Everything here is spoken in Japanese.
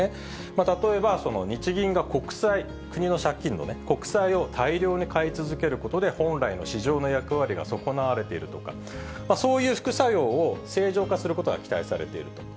例えば日銀が国債、国の借金の国債を大量に買い続けることで本来の市場の役割が損なわれているとか、そういう副作用を正常化することが期待されていると。